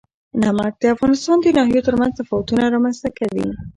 نمک د افغانستان د ناحیو ترمنځ تفاوتونه رامنځ ته کوي.